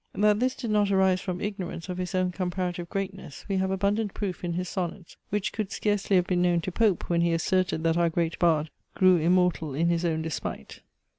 That this did not arise from ignorance of his own comparative greatness, we have abundant proof in his Sonnets, which could scarcely have been known to Pope , when he asserted, that our great bard grew immortal in his own despite.